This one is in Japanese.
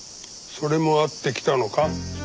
それもあって来たのか？